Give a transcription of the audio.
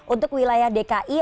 untuk wilayah dki